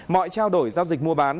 mọi trao đổi giao dịch mua bán